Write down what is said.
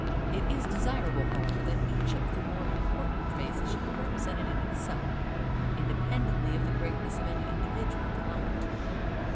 It is desirable, however, that each of the more important phases should be represented in itself, independently of the greatness of any individual belonging to it.